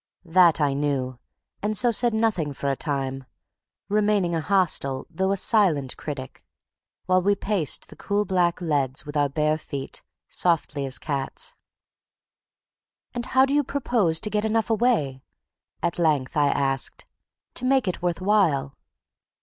That I knew, and so said nothing for a time, remaining a hostile though a silent critic, while we paced the cool black leads with our bare feet, softly as cats. "And how do you propose to get enough away," at length I asked, "to make it worth while?"